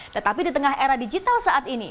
tetapi di tengah era digital saat ini